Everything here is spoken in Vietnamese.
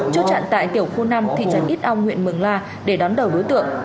chốt chặn tại tiểu khu năm thị trấn ít ong huyện mường la để đón đầu đối tượng